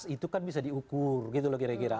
itu kan bisa diukur gitu loh kira kira